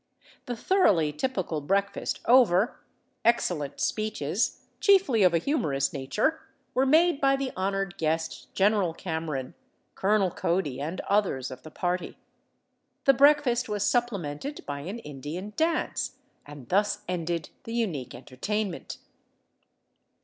The thoroughly typical breakfast over, excellent speeches, chiefly of a humorous nature, were made by the honored guest General Cameron, Colonel Cody, and others of the party. The breakfast was supplemented by an Indian dance, and thus ended the unique entertainment.